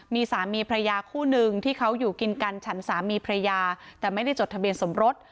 มีสามีพระยาคู่นึงที่เขาอยู่กินกันฉันสามีพระยาแต่ไม่ได้จดทะเบียนสมรส